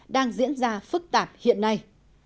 đang diễn ra phức tạp hiện nay